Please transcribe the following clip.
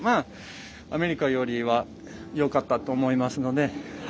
アメリカよりはよかったと思いますので。